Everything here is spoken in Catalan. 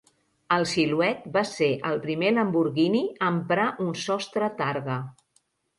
El Silhouette va ser el primer Lamborghini a emprar un sostre targa.